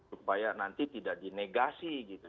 supaya nanti tidak dinegasi gitu